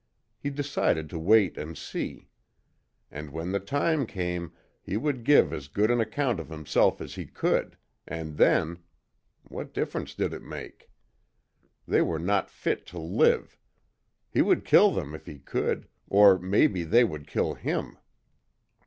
He decided to wait and see. And, when the time came, he would give as good an account of himself as he could and then what difference did it make? They were not fit to live. He would kill them if he could or maybe they would kill him.